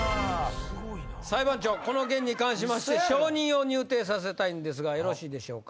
裁判長この件に関しまして証人を入廷させたいんですがよろしいでしょうか？